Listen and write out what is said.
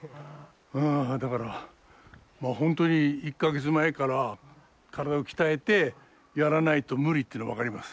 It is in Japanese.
うんだから本当に１か月前から体を鍛えてやらないと無理っていうの分かります。